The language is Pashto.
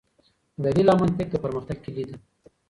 دليل او منطق د پرمختګ کيلي ده.